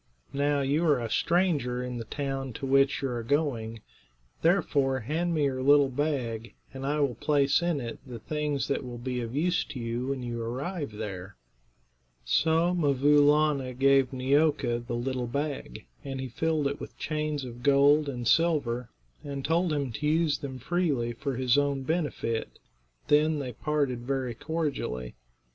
Now, you are a stranger in the town to which you are going; therefore hand me your little bag, and I will place in it the things that will be of use to you when you arrive there." So 'Mvoo Laana gave Neeoka the little bag, and he filled it with chains of gold and silver, and told him to use them freely for his own benefit. Then they parted very cordially.